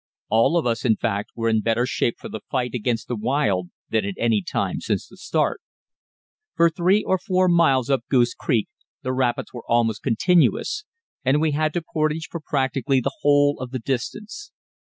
All of us, in fact, were in better shape for the fight against the wild than at any time since the start. For three or four miles up Goose Creek the rapids were almost continuous, and we had to portage for practically the whole of the distance.